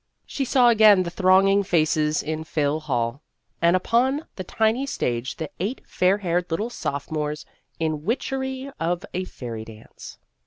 She saw again the thronging faces in Phil. Hall, and upon the tiny stage the eight fair haired little sophomores in the witch ery of a fairy dance.